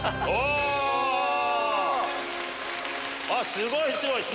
すごいすごい。